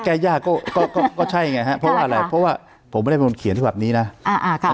แก้ยากก็ก็ก็ใช่ไงฮะเพราะว่าอะไรเพราะว่าผมไม่ได้เป็นคนเขียนฉบับนี้นะอ่าอ่าค่ะ